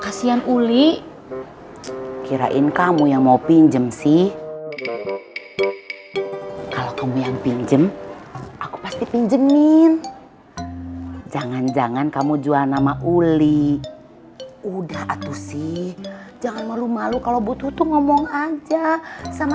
kasihan uli kirain kamu yang mau pinjem si salah kamu yang pinjem pinjemin jangan jangan kamu jual nama uli udah sih jangan malu maklum kalau butuh bereich karena teman sendiri kalau buat kannonashed iti ada insyaallah enggak